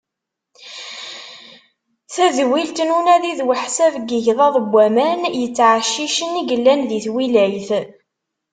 Tadwilt n unadi d uḥsab n yigḍaḍ n waman yettɛeccicen i yellan di twilayt.